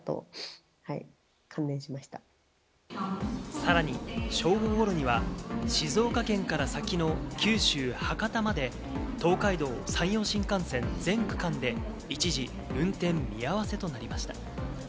さらに正午ごろには、静岡県から先の九州−博多まで、東海道・山陽新幹線全区間で一時運転見合わせとなりました。